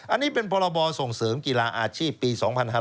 อันนี้เป็นพรบส่งเสริมกีฬาอาชีพปี๒๕๕๙